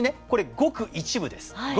ごく一部です。